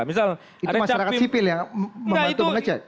itu masyarakat sipil yang membantu mengecek